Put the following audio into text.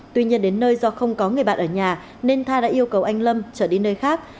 tuy nhiên đến nơi do không có người bạn ở nhà nên tha đã yêu cầu anh lâm trở đi nơi khác